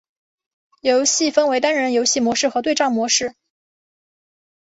游戏分为单人游戏模式和对战模式。